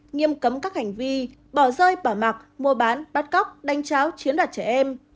nghiêm cấm các hành vi bỏ rơi bỏ mặc mua bán bắt cóc đánh tráo chiến đoạt trẻ em